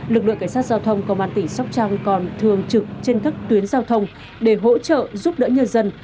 lực lượng cảnh sát giao thông công an tỉnh sóc trăng còn thường trực trên các tuyến giao thông để hỗ trợ giúp đỡ nhân dân